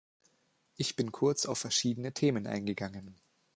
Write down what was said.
Ich bin kurz auf verschiedene Themen eingegangen.